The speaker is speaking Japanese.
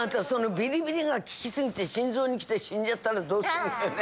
ビリビリが効き過ぎて心臓にきて死んじゃったらどうすんのよね。